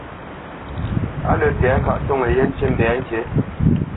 Á lə́ tɛ̌ŋkaʼ ntoŋə yé ntî mbɛ̌ ŋkǐ.